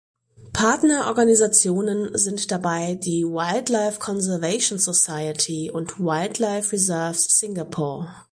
Partnerorganisationen sind dabei die "Wildlife Conservation Society" und "Wildlife Reserves Singapore".